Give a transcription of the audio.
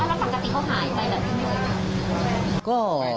อะแล้วสักทีเขาหายไปเลยหรือนี่เลยคะ